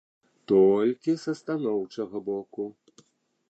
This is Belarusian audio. Толькі са станоўчага боку.